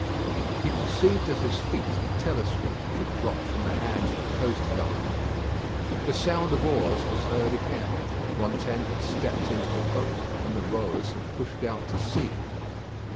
He perceived at his feet the telescope which had dropped from the hands of the coast guardman. The sound of oars was heard again. Rantaine had stepped into the boat, and the rowers had pushed out to sea.